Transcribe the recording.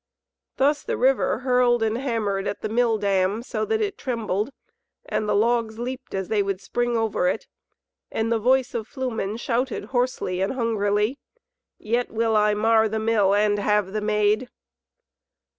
Thus the river hurled and hammered at the mill dam so that it trembled, and the logs leaped as they would spring over it, and the voice of Flumen shouted hoarsely and hungrily, "Yet will I mar the Mill and have the Maid!"